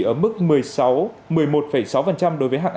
ở mức một mươi một sáu đối với hạng a và bảy chín đối với hạng b